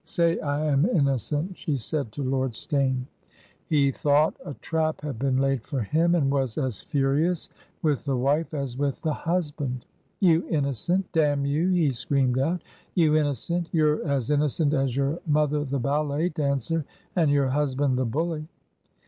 Say I am innocent,' she said to Lord Steyne. He thought a trap had been laid for him, and was as furious with the wife as with the husband. ' You innocent I Damn you,' he screamed out. 'You inno cent! .. You're as innocent as your mother the ballet dancer and your husband the bully.